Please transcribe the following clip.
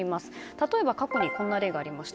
例えば過去にこんな例がありました。